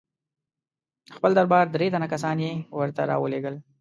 د خپل دربار درې تنه کسان یې ورته را ولېږل.